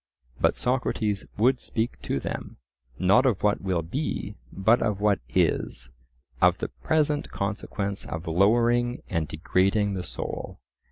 But Socrates would speak to them, not of what will be, but of what is—of the present consequence of lowering and degrading the soul.